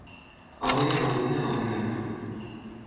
آقای رامین آریان پور